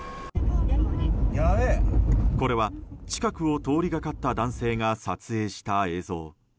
これは近くを通りかかった男性が撮影した映像。